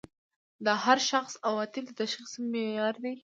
د هر شخص عواطف د تشخیص معیار دي.